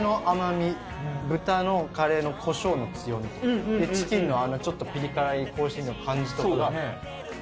豚のカレーのこしょうの強み。でチキンのあのちょっとピリ辛い香辛料の感じとかが。